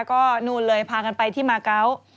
ก็นู่นเลยพากันไปที่มาเกาะ